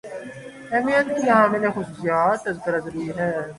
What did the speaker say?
اہمیت کی حامل خصوصیات کا تذکرہ ضروری ہے